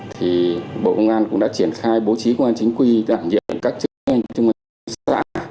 thì bộ công an cũng đã triển khai bố trí công an chính quy đảm nhiệm các chức năng chứng minh xã